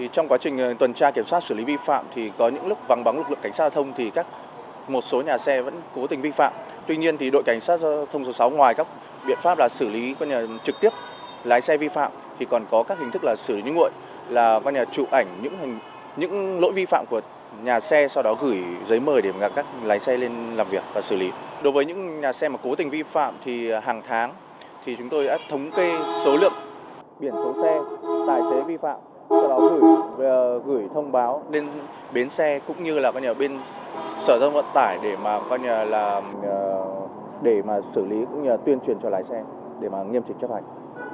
đối với những nhà xe mà cố tình vi phạm thì hàng tháng thì chúng tôi đã thống kê số lượng biển số xe tài xế vi phạm sau đó gửi thông báo đến bến xe cũng như là bên sở giao thông vận tải để mà xử lý tuyên truyền cho lái xe để mà nghiêm trình chấp hành